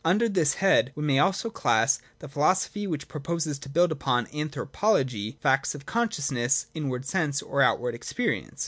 Under this head we must also class the philosophy which proposes to build upon ' anthropo logy,' facts of consciousness, inward sense, or outward experience.